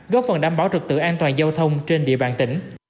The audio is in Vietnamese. góp phần đảm bảo trực tự an toàn giao thông trên địa bàn tỉnh